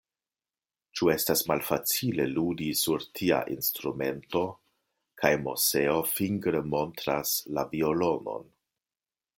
Ĉu estas malfacile ludi sur tia instrumento? kaj Moseo fingre montras la violonon.